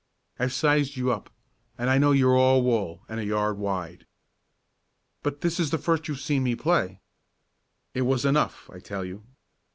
I've sized you up, and I know you're all wool and a yard wide." "But this is the first time you've seen me play." "It was enough, I tell you."